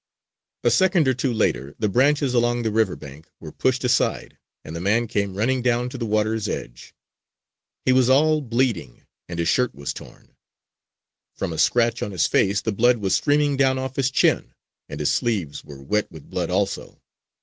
A second or two later, the branches along the river bank were pushed aside, and the man came running down to the water's edge. He was all bleeding and his shirt was torn. From a scratch on his face the blood was streaming down off his chin, and his sleeves were wet with blood also.